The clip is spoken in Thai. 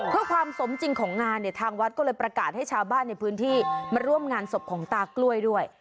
เพื่อความสมจริงของงานเนี่ยทางวัดก็เลยประกาศให้ชาวบ้านในพื้นที่มาร่วมงานศพของตากล้วยด้วย